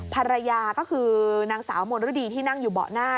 ภรรยาก็คือนางสาวมนฤดีที่นั่งอยู่เบาะหน้า